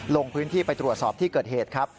ลงพื้นที่ไปตรวจสอบที่เกิดเหตุครับ